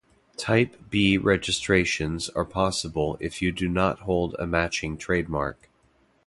Type B registrations are possible if you do not hold a matching trademark.